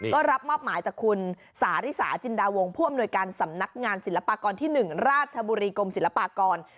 ก็รับมอบหมายจากคุณสาริสาจินดาวงผู้อำนวยการสำนักงานศิลปากรที่๑ราชบุรีกรมศิลปากร